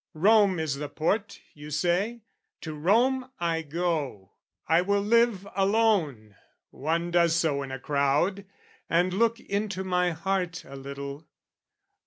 "Rome is the port, you say: to Rome I go. "I will live alone, one does so in a crowd, "And look into my heart a little."